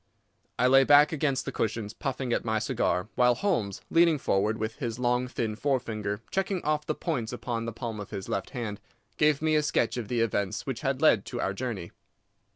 I lay back against the cushions, puffing at my cigar, while Holmes, leaning forward, with his long, thin forefinger checking off the points upon the palm of his left hand, gave me a sketch of the events which had led to our journey.